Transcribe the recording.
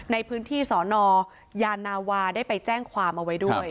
ในพื้นที่สนยานาวาได้ไปแจ้งความเอาไว้ด้วย